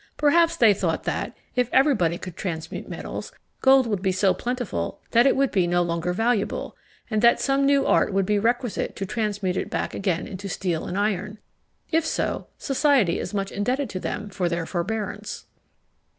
Perhaps they thought that, if everybody could transmute metals, gold would be so plentiful that it would be no longer valuable, and that some new art would be requisite to transmute it back again into steel and iron. If so, society is much indebted to them for their forbearance.